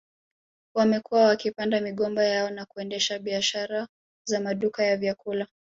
Wamekuwa wakipanda migomba yao na kuendesha biashara za maduka ya vyakula